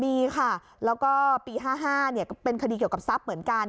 มีค่ะแล้วก็ปี๕๕ก็เป็นคดีเกี่ยวกับทรัพย์เหมือนกัน